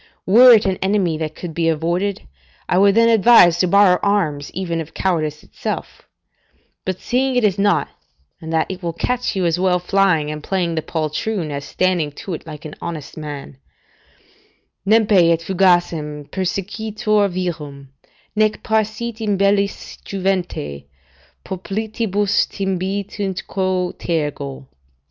Were it an enemy that could be avoided, I would then advise to borrow arms even of cowardice itself; but seeing it is not, and that it will catch you as well flying and playing the poltroon, as standing to't like an honest man: "Nempe et fugacem persequitur virum, Nec parcit imbellis juventae Poplitibus timidoque tergo."